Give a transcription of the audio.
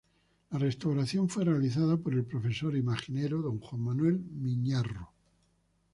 La restauración fue realizada por el profesor e imaginero D. Juan Manuel Miñarro.